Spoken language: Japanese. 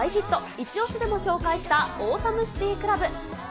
イチオシでも紹介したオーサムシティークラブ。